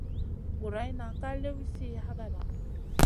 Guroyna ka liw sih hagada.